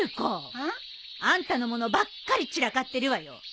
うん？あんたの物ばっかり散らかってるわよ。